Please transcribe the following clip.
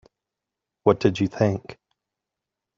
What did you think?